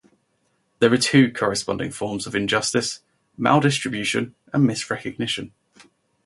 There are two corresponding forms of injustice: maldistribution and misrecognition.